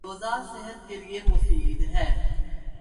روزہ صحت کے لیے مفید ہے